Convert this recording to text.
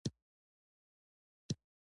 ډاکټر باید د نرمو اخلاقو خاوند وي.